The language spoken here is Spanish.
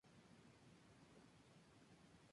Está gestionada por la Autoridad Portuaria de Vigo.